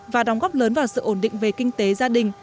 và đóng góp lớn vào sự ổn định về kinh tế gia đình